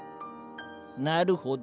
なるほど。